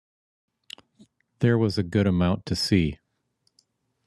There was a good amount to see